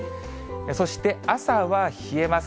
そして朝は冷えます。